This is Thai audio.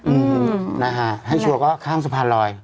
อืมนะฮะให้ชัวร์ก็ข้ามสะพานลอย